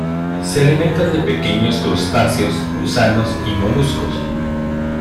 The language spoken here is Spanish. Se alimentan de pequeños crustáceos, gusanos y moluscos.